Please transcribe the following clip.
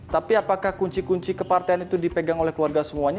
tapi apakah kunci kunci kepartean itu dipegang oleh keluarga semuanya